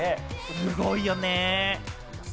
すごいよね。